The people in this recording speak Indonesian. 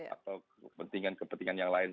atau kepentingan kepentingan yang lain